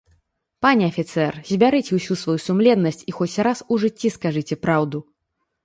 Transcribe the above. Пане афіцэр, збярыце ўсю сваю сумленнасць і хоць раз у жыцці скажыце праўду.